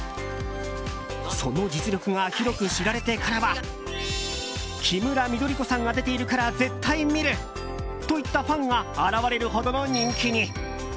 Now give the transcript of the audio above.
その実力が広く知られてからはキムラ緑子さんが出ているから絶対見るといったファンが現れるほどの人気に。